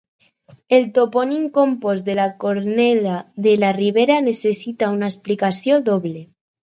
El topònim compost de Cornellà de la Ribera necessita una explicació doble.